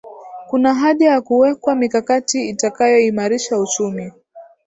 Kuna haja ya kuwekwa mikakati itakayoimarisha uchumi